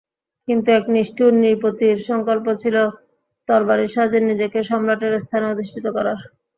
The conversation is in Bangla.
কিন্তু, এক নিষ্ঠুর নৃপতির সংকল্প ছিল তরবারির সাহায্যে নিজেকে সম্রাটের স্থানে অধিষ্ঠিত করার!